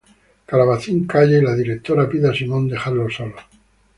Calabacín calla y la directora pide a Simón dejarlos solos.